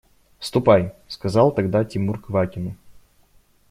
– Ступай, – сказал тогда Тимур Квакину.